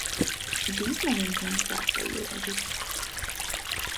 Dísznövényként kertbe ültetik.